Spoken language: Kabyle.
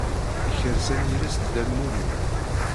Yekres anyir-is Dda Lmulud.